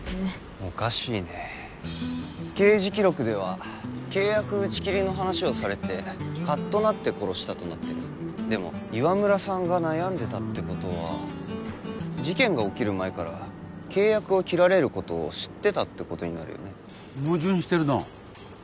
おかしいね刑事記録では契約打ち切りの話をされてカッとなって殺したとなってるでも岩村さんが悩んでたってことは事件が起きる前から契約を切られることを知ってたってことになるよね矛盾してるな